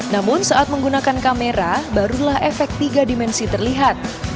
namun saat menggunakan kamera barulah efek tiga dimensi terlihat